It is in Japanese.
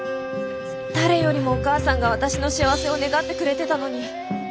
誰よりもお母さんが私の幸せを願ってくれてたのに。